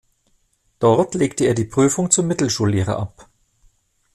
Dort legte er die Prüfung zum Mittelschullehrer ab.